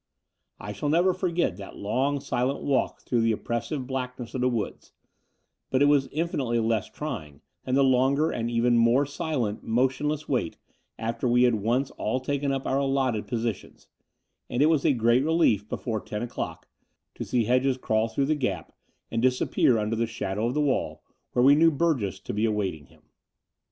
I shall never forget that long silent walk through the oppressive blackness of the woods, but it was infinitely less trying than the longer and even more silent, motionless wait after we had once all taken up our allotted positions ; and it was a great relief, before ten o'clock, to see Hedges crawl through the 288 The Door of the Unreal gap and disappear under the shadow of the wall, where we knew Burgess to be awaiting him.